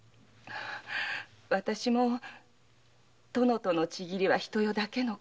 私も殿との契りは一夜だけの事。